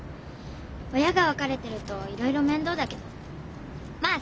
親が別れてるといろいろ面倒だけどまあ